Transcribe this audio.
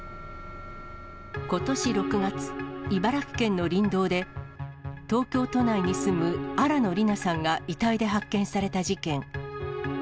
ことし６月、茨城県の林道で、東京都内に住む新野りなさんが遺体で発見された事件。